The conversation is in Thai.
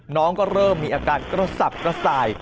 น้องก็เริ่มมีอาการกระสับกระส่าย